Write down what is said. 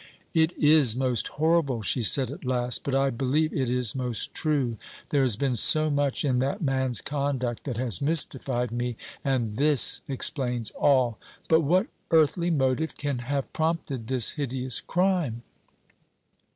"It is most horrible," she said at last; "but I believe it is most true. There has been so much in that man's conduct that has mystified me; and this explains all. But what earthly motive can have prompted this hideous crime?"